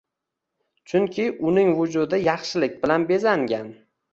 Chunki uning vujudi yaxshilik bilan bezangan